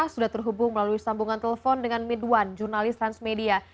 sudah terhubung melalui sambungan telepon dengan midwan jurnalis transmedia